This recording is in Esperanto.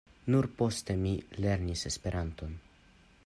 Nur poste mi lernis esperanton.